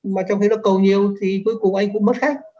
mà trong khi đó cầu nhiều thì cuối cùng anh cũng mất khách